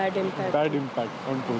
jadi ini akan memberikan dampak yang buruk